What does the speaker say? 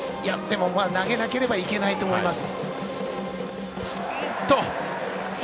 投げなければいけないと思います。